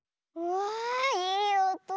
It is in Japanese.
わあいいおと。